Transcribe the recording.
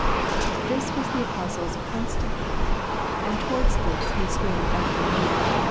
This was the Apostle's constant thought, and towards this he strained every nerve (ch.